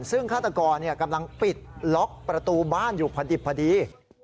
ซึ่งฆาตกรกำลังปิดล็อกประตูบ้านอยู่พอดิบพอดี